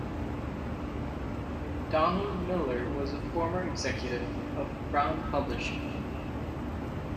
Donald Miller was a former executive of Brown Publishing.